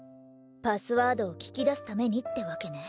パスワードを聞き出すためにってわけね。